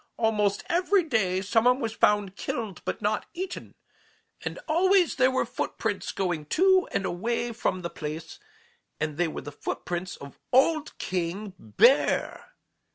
Almost every day some one was found killed but not eaten, and always there were footprints going to and away from the place, and they were the footprints of _old King Bear!